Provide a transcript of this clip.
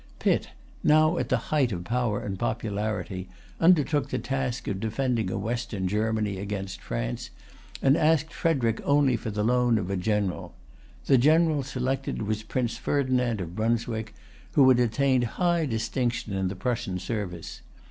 Pitt, now at the height of power and popularity, undertook the task of defending Western Germany against France, and asked Frederic only for the loan of a general. The general selected was Prince Ferdinand of Brunswick, who had attained high distinction in the Prussian service.